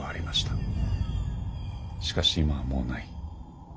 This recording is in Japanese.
しかし今はもうない。